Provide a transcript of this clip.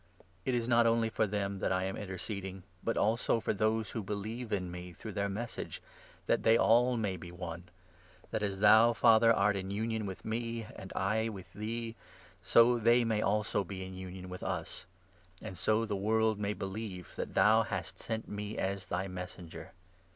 But it is not only for them that I am inter 20 ceding, but also for those who believe in me through their Message, that they all may be 21 one — that as thou, Father, art in union with me and I with thee, so they also may be in union with us — and so the world may believe that thou hast sent me as thy Messenger.